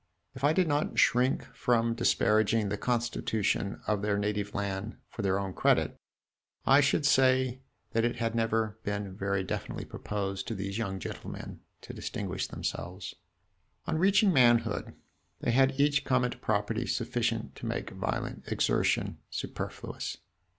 If I did not shrink from disparaging the constitution of their native land for their own credit, I should say that it had never been very definitely proposed to these young gentlemen to distinguish themselves. On reaching manhood, they had each come into property sufficient to make violent exertion superfluous.